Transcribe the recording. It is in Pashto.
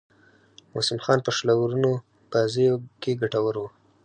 وسیم خان په شلو آورونو بازيو کښي ګټور وو.